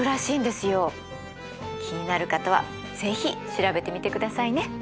気になる方は是非調べてみてくださいね。